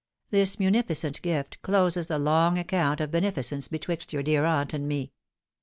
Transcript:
This munificent gift closes the long account of beneficence betwixt your dear aunt and me.